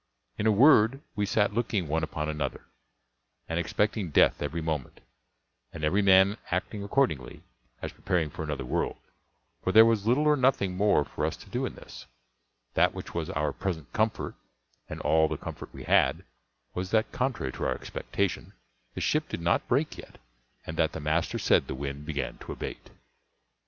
In a word, we sat looking one upon another, and expecting death every moment, and every man acting accordingly, as preparing for another world; for there was little or nothing more for us to do in this; that which was our present comfort, and all the comfort we had, was that, contrary to our expectation, the ship did not break yet, and that the master said the wind began to abate.